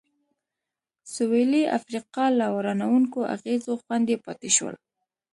سوېلي افریقا له ورانوونکو اغېزو خوندي پاتې شول.